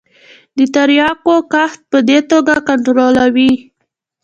د تریاکو کښت په دې توګه کنترولوي.